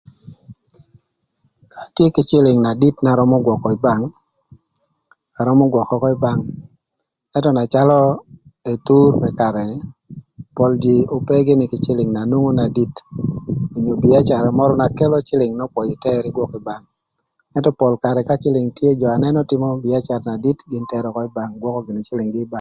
Atye kï cïlïng na dit n'arömö gwökö ï bank, arömö gwökö ökö ï bank, ëntö na calö Ethur më karë ni, pol jïï ope gïnï kï cïlïng na nwongo na dit onyo bïacara mörö na kelo cïlïng n'öpwöyö iter ïgwök ï bank. Ëntö pol karë ka cïlïng tye jö anënö tïmö bïacara na dit, gïn tero ökö ï bank, gwökö gïnï cïlïg-gï ï bank.